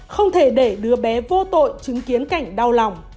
không thể để đứa bé vô tội chứng kiến cảnh đau lòng